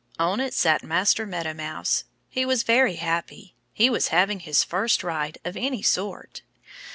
On it sat Master Meadow Mouse. He was very happy. He was having his first ride, of any sort.